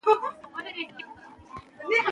باسواده نجونې د سپورت په ډګر کې ځلیږي.